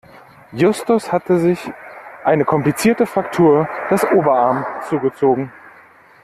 Justus hatte sich eine komplizierte Fraktur des Oberarm zugezogen.